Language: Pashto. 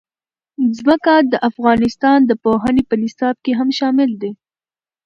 ځمکه د افغانستان د پوهنې په نصاب کې هم شامل دي.